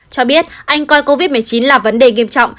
cho biết anh coi covid một mươi chín là vấn đề nghiêm trọng